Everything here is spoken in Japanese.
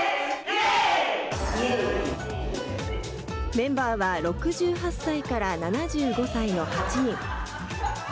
メンバーは６８歳から７５歳の８人。